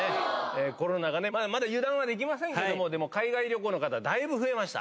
コロナがね、まだ油断はできませんけれども、でも海外旅行の方、だいぶ増えました。